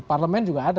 parlemen juga ada